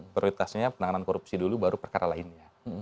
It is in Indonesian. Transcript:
prioritasnya penanganan korupsi dulu baru perkara lainnya